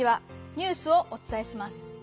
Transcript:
ニュースをおつたえします。